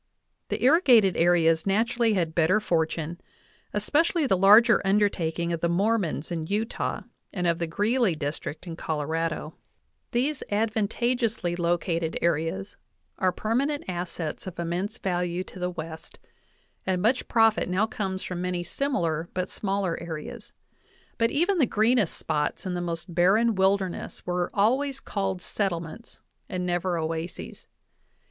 The irrigated areas naturally had better fortune, especially the larger undertaking of the Mormons in Utah and of the Greeley district in Colorado. These advantageously located 39 NATIONAL, ACADEMY BIOGRAPHICAL MEMOIRS VOL. VIII areas are permanent assets of immense value to the West, and much profit now comes from many similar but smaller areas ; but even the greenest spots in the most barren wilderness were always called settlements, and never oases.